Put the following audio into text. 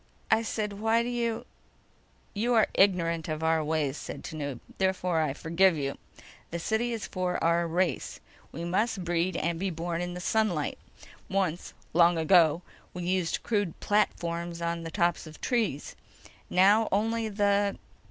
"I said: Why do you—" "You are ignorant of our ways," said Tanub. "Therefore, I forgive you. The city is for our race. We must breed and be born in sunlight. Once—long ago—we used crude platforms on the tops of the trees. Now ... only the